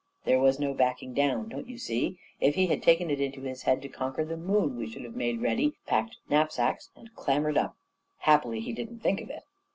there was no backing down, don't you see! If he had taken it into his head to conquer the moon, we should have made ready, packed knapsacks, and clambered up; happily, he didn't think of it.